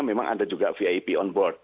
memang ada juga vip on board